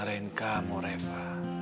dengan kamu reva